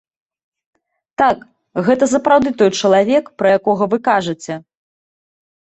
Так, гэта сапраўды той чалавек, пра якога вы кажаце.